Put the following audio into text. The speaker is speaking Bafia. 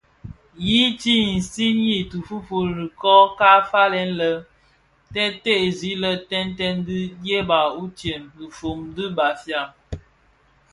I ti siňii tifufuli, kō ka falèn lè tè tèèzi lè tèntèň dhi ndieba utsem dhifuu di Bafia.